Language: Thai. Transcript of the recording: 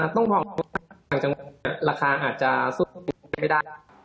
ต้องพอความว่าต่างจังหวัดราคาอาจจะสู้ไม่ได้